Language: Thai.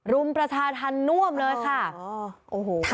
รุมประชาธารณวมเลยค่ะ